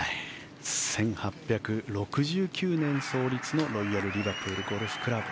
１８６９年創立のロイヤル・リバプールゴルフクラブ。